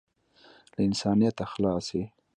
له انسانیته خلاص یې .